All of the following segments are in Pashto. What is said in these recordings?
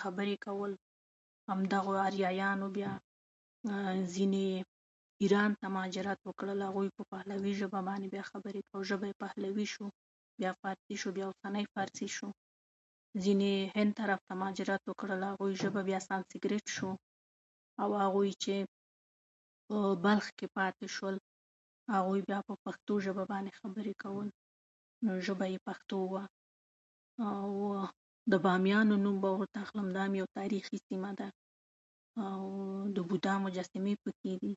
که زه د خپل هېواد یا سیمې، تاریخي سیمې چاته ورپېژنم یا معرفي کومه، نو بلخ نوم به ورته اخلم. بلخ یا بخدي، دا یوه تاریخي سیمه ده، تمدنونو ځانګو وه، دلته تمدنونه پکې تېر شوي. دا د اریایانو د اوسېدو ځای و؛ اریایانو په بلخ کې اوسېدل، په اریانایي ژبه باندې یې خبرې کولې. همدغو اریایانو بیا، ځینې ایران ته مهاجرت وکړل، هغوی په پهلوي ژبه باندې بیا خبرې او ژبه یې پهلوي شوه، بیا فارسي شوه، بیا اوسنۍ فارسي شوه. ځینې هند طرف ته مهاجرت وکړ، د هغوی ژبه بیا سانسکریت شوه او هغوی چې په بلخ کې پاتې شول او هغوی بیا په پښتو ژبې باندې خبرې کولې او ژبه یې بیا پښتو وه. او د بامیان نوم به ورته اخلم، دا یوه تاریخي سیمه ده او د بودا مجسمې پکې دي؛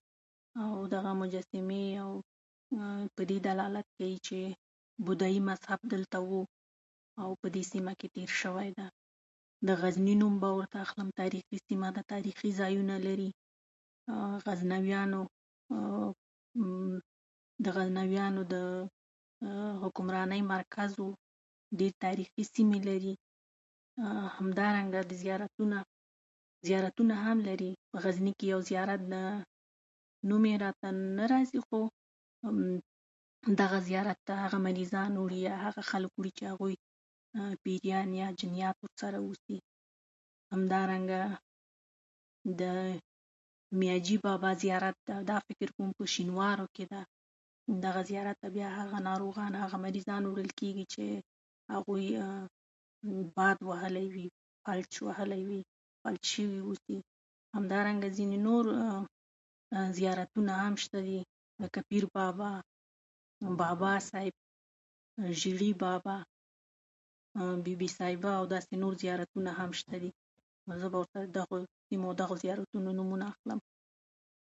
او دغه مجسمې او په دې دلالت کوي چې بودایي مذهب دلته و او په دې سیمه کې تېر شوی دی. د غزني نوم به ورته اخلم، تاریخي سیمه ده، تاریخي ځایونه لري. غزنویانو، د غزنویانو د حکمرانۍ مرکز و، ډېر تاریخي سیمې لري، همدارنګه زیارتونه هم لري. غزني کې یو زیارت دی، نوم یې راته نه راځي، خو دغه زیارت ته هغه مریضان وړي، چې هغه خلک وړي چې پیریان یا jنیات ورسره اوسي. همدارنګه د میاجي بابا زیارت، دا فکر کوم په شینوارو کې دی؛ دغه زیارت ته بیا هغه ناروغان او مریضان وړل کېږي، چې هغوی باد وهلی وي، فلج وهلی وي، فلج شوی اوسي. همدارنګه ځینې نور زیارتونه هم شته دي، لکه پیربابا، بابا صاحب، ژیړي بابا، بي بي صاحبه او ځینې نور زیارتونه هم شته دي؛ نو زه به ورته د دغو سیمو او زیارتونو نومونه اخلم.